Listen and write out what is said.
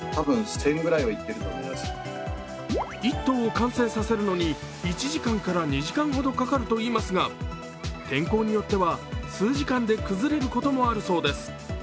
１頭を完成させるのに１時間から２時間ほどかかるといいますが、天候によっては数時間で崩れることもあるそうです。